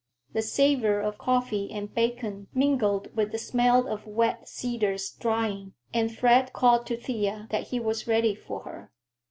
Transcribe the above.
The savor of coffee and bacon mingled with the smell of wet cedars drying, and Fred called to Thea that he was ready for her.